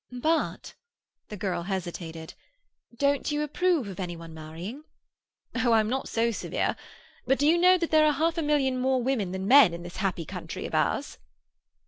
"But—" the girl hesitated—"don't you approve of any one marrying?" "Oh, I'm not so severe! But do you know that there are half a million more women than men in this happy country of ours?"